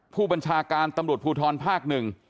ผู้บัญชาการตำรวจภูทรภาคหนึ่ง